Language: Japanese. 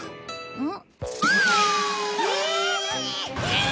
うん。